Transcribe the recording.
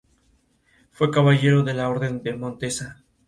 Luego de un breve contacto entre ambas fuerzas, los españoles pretendieron huir.